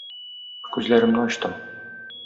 Күзләремне ачтым.